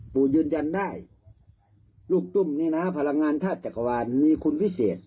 ยืนยันได้ลูกตุ้มนี่นะพลังงานธาตุจักรวาลมีคุณวิเศษ